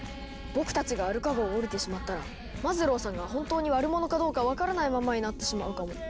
僕たちがアルカ号をおりてしまったらマズローさんが本当に悪者かどうか分からないままになってしまうかも。